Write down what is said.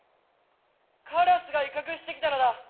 カラスが威嚇してきたのだ。